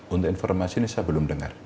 untuk informasi ini saya belum dengar